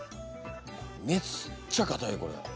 めっちゃ硬いこれ。